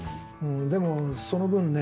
でもその分ね